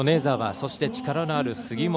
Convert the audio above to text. そして力のある杉森。